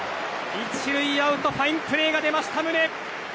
１塁アウトファインプレーが出ました、宗。